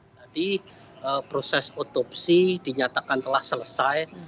tadi proses otopsi dinyatakan telah selesai